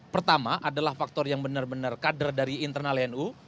pertama adalah faktor yang benar benar kader dari internal nu